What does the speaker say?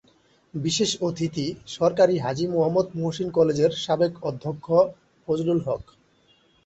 বিশেষ অতিথি সরকারি হাজী মুহম্মদ মুহসীন কলেজের সাবেক অধ্যক্ষ ফজলুল হক।